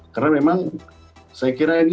karena memang saya kira ini sudah